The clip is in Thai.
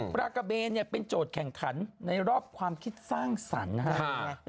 ปลากะเบนเป็นโจทย์แข่งขันในรอบความคิดสร้างสรรค์นะครับ